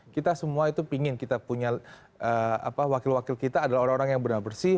kita semua itu pingin kita punya wakil wakil kita adalah orang orang yang benar bersih